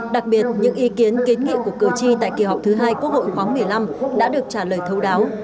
đặc biệt những ý kiến kiến nghị của cử tri tại kỳ họp thứ hai quốc hội khoáng một mươi năm đã được trả lời thấu đáo